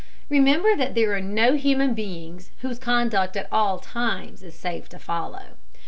Remember that there are no human beings whose conduct at all times it is safe to follow.